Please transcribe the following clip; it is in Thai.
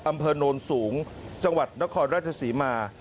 อำเภอโนนสูงจังหวัดนครราชศรีมา